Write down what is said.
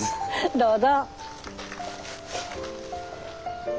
どうぞ。